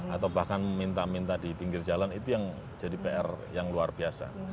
atau bahkan minta minta di pinggir jalan itu yang jadi pr yang luar biasa